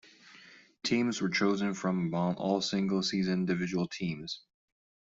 Teams were chosen from among all single-season individual teams.